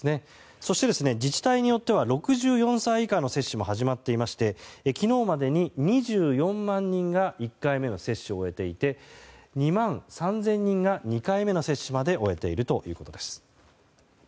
そして、自治体によっては６４歳以下の接種も始まっていまして昨日までに２４万人が１回目の接種を終えていて２万３０００人が２回目の接種まで終えているということです。